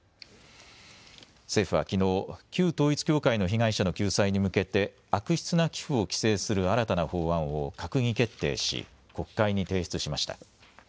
政府はきのう旧統一教会の被害者の救済に向けて悪質な寄付を規制する新たな法案を閣議決定し国会に提出しました。